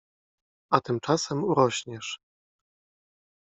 A tymczasem urośniesz.